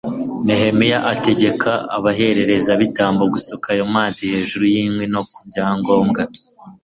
nehemiya ategeka abaherezabitambo gusuka ayo mazi hejuru y'inkwi no ku bya ngombwa